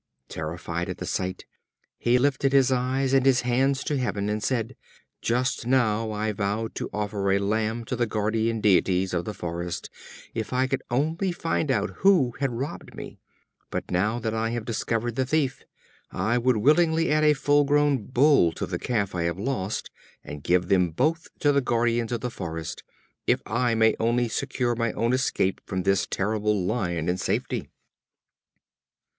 Terrified at the sight, he lifted his eyes and his hands to heaven, and said: "Just now I vowed to offer a lamb to the Guardian Deities of the forest if I could only find out who had robbed me; but now that I have discovered the thief, I would willingly add a full grown Bull to the Calf I have lost, and give them both to the guardians of the forest, if I may only secure my own escape from this terrible Lion in safety."